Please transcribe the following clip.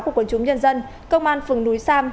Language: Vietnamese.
quân chúng nhân dân công an phường núi sam